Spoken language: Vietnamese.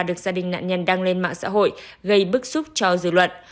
được gia đình nạn nhân đăng lên mạng xã hội gây bức xúc cho dư luận